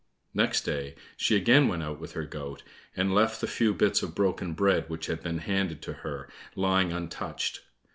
Next day she again went out with her goat, and left the few bits of broken bread which had been handed to her, lying untouched.